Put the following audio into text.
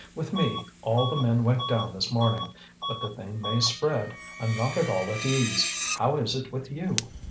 With me, all the men went down this morning. But the thing may spread. I'm not at all at ease. How is it with you?"